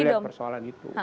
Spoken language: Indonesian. saya melihat persoalan itu